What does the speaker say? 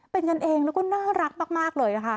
เป็นกันเองแล้วก็น่ารักมากเลยนะคะ